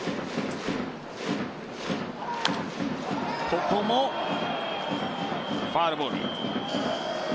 ここもファウルボール。